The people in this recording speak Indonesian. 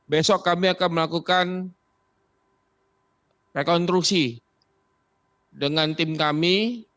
besok kami akan melakukan rekonstruksi dengan tim kami